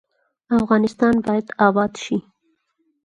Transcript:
افغانستان باید اباد شي